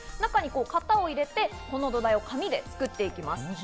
型を入れて、この土台を紙で作っていきます。